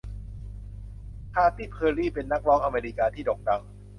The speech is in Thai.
คาตี้เพอร์รี่เป็นนักร้องอเมริกาที่โด่งดัง